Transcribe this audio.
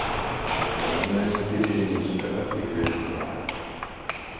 こんなにきれいに引っ掛かってくれるとは。